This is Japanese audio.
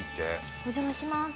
お邪魔します。